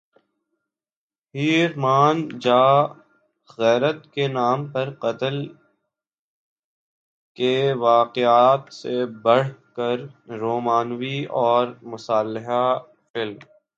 ہیر مان جا غیرت کے نام پر قتل کے واقعات سے بڑھ کر رومانوی اور مصالحہ فلم